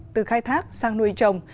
từ khai thác sang nuôi trồng